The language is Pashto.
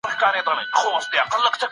تحقیق د نویو شیانو د کشفولو لار ده.